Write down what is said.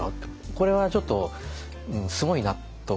これはちょっとすごいなと。